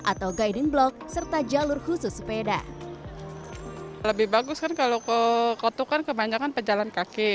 atau guiding block serta jalur khusus sepeda lebih bagus kan kalau ke koto kan kebanyakan pejalan kaki